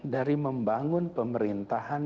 dari membangun pemerintahan